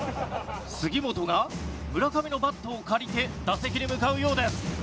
杉本が村上のバットを借りて打席に向かうようです。